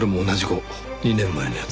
２年前のやつ。